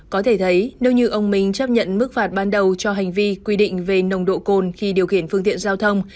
có thể thấy nếu như ông minh chấp nhận mức phạt ban đầu cho hành vi quy định về nồng độ cồn khi điều khiển phương tiện giao thông